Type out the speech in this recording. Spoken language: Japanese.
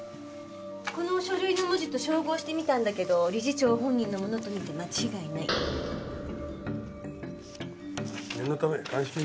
この書類の文字と照合してみたんだけど理事長本人のものと見て間違いない。